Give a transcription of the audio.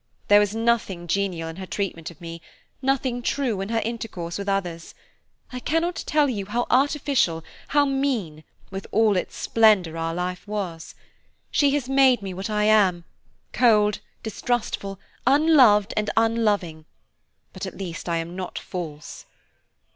There was nothing genial in her treatment of me, nothing true in her intercourse with others; I cannot tell you how artificial, how mean, with all its splendour, our life was. She has made me what I am–cold, distrustful, unloved and unloving; but at least I am not false."